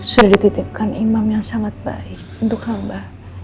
sudah dititipkan imam yang sangat baik untuk hamba